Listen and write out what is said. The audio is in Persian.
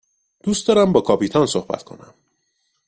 دوست دارم با کاپیتان صحبت کنم.